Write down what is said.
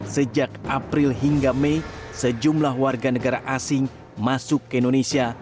sejak april hingga mei sejumlah warga negara asing masuk ke indonesia